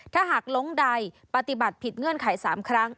ถ้าหากล้งใดปฏิบัติผิดเงื่อนไข๓ครั้ง